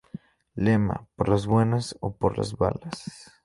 Lema: "¡Por las buenas o por las balas!